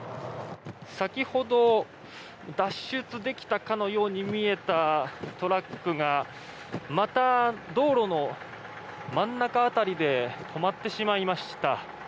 先ほど脱出できたかのように見えたトラックがまた道路の真ん中辺りで止まってしまいました。